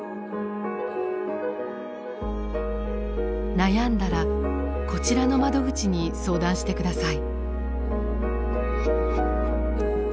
悩んだらこちらの窓口に相談してください。